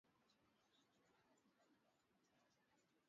Wakazi wa Zanzibar wanasifika kwa upole na ukarimu uliotukuka